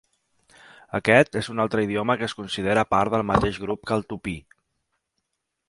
Aquest és un altre idioma que es considera part del mateix grup que el tupí.